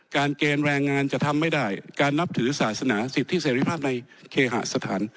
เกณฑ์แรงงานจะทำไม่ได้การนับถือศาสนาสิทธิเสร็จภาพในเคหสถาน